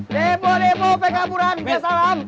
debo debo pekapuran nggak salam